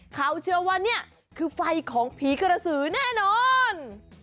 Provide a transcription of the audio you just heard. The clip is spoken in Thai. เขาเชื่อว่านี่คือไฟของผีกระสือแน่นอน